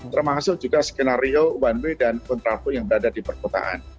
termasuk juga skenario one way dan kontraflow yang berada di perkotaan